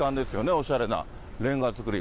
おしゃれな、レンガ造り。